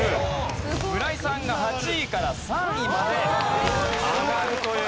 村井さんが８位から３位まで上がるという事になります。